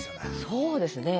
そうですね。